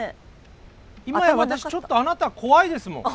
今や私ちょっとあなた怖いですもん。